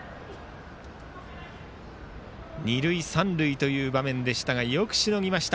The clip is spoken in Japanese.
二塁三塁という場面よくしのぎました。